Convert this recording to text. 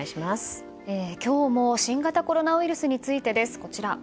今日も新型コロナウイルスについてです。